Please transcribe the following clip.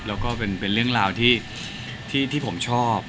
แล้วก็เป็นเรื่องราวที่ผมชอบ